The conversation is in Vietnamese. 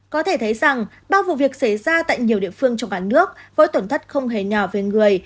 có thể thấy rằng bao vụ việc xảy ra tại nhiều địa phương trong cả nước